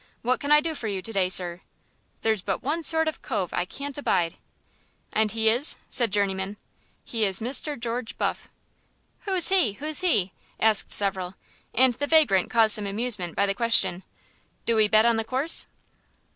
What can I do for you to day, sir?' There's but one sort of cove I can't abide." "And he is " said Journeyman. "He is Mr. George Buff." "Who's he? who's he?" asked several; and the vagrant caused some amusement by the question, "Do 'e bet on the course?"